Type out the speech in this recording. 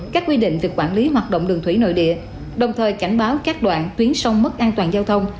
các quy định về quản lý hoạt động đường thủy nội địa đồng thời cảnh báo các đoạn tuyến sông mất an toàn giao thông